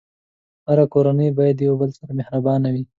هره کورنۍ باید د یو بل سره مهربانه وي.